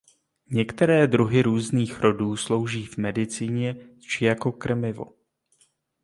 Některé druhy různých rodů slouží v medicíně či jako krmivo.